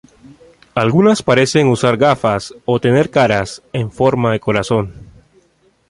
Algunas parecen usar gafas, o tener caras "en forma de corazón".